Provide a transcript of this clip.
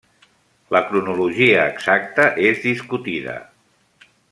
La cronologia exacta és discutida.